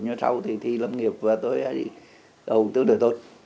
nhưng sau thì thi lâm nghiệp và tôi đã đi đầu tương đối tốt